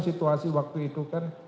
situasi waktu itu kan